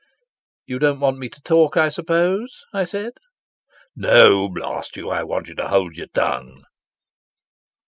"You don't want me to talk, I suppose," I said. "No, blast you; I want you to hold your tongue."